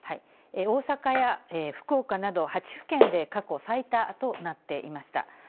大阪や福岡など、８府県で過去最多となっていました。